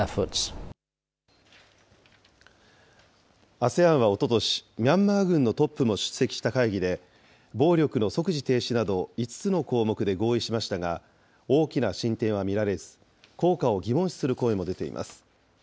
ＡＳＥＡＮはおととし、ミャンマー軍のトップも出席した会議で、暴力の即時停止など、５つの項目で合意しましたが、大きな進展は見られず、効果を疑問視する声も出ています。